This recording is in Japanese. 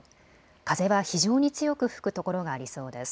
風は非常に強く吹く所がありそうです。